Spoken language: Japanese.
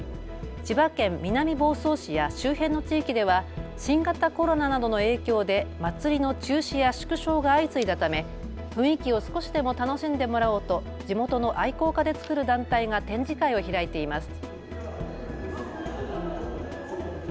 千葉県南房総市や周辺の地域では新型コロナなどの影響で祭りの中止や縮小が相次いだため雰囲気を少しでも楽しんでもらおうと地元の愛好家で作る団体が展示会を開いています。